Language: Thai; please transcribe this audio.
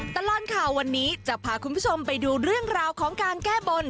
ตลอดข่าววันนี้จะพาคุณผู้ชมไปดูเรื่องราวของการแก้บน